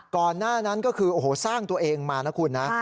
ก่อนหน้านั้นก็คือโอ้โหสร้างตัวเองมานะคุณนะ